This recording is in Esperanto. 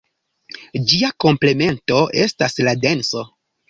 Ĝia komplemento estas la denso.